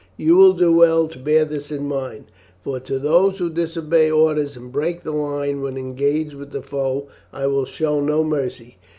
You will do well to bear this in mind, for to those who disobey orders and break the line when engaged with the foe I will show no mercy.